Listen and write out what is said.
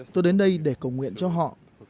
tôi đến đây để cầu nguyện cho họ